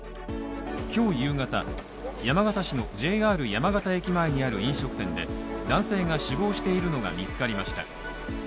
今日夕方、山形市のＪＲ山形駅前にある飲食店で男性が死亡しているのが見つかりました。